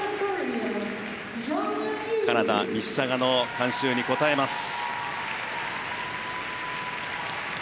カナダ・ミシサガの観衆に応えます。